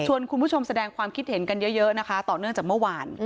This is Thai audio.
คุณผู้ชมแสดงความคิดเห็นกันเยอะนะคะต่อเนื่องจากเมื่อวาน